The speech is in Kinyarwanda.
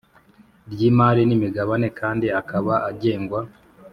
ry imari n imigabane kandi akaba agengwa